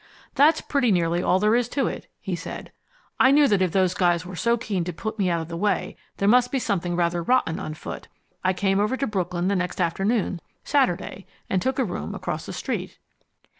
"That's pretty nearly all there is to it," he said. "I knew that if those guys were so keen to put me out of the way there must be something rather rotten on foot. I came over to Brooklyn the next afternoon, Saturday, and took a room across the street."